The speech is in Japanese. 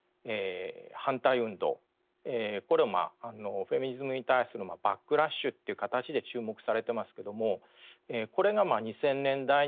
これはフェミニズムに対するバックラッシュという形で注目されてますけどもこれが２０００年代に生じてます。